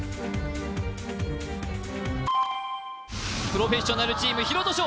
プロフェッショナルチーム廣戸晶